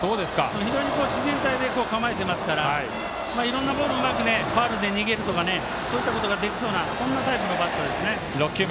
非常に自然体で構えていますからいろんなボールをうまくファウルで逃げるとかそういったことができそうなそんなタイプのバッター。